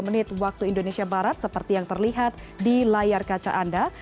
tiga puluh menit waktu indonesia barat seperti yang terlihat di layar kaca anda